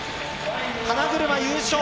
花車、優勝。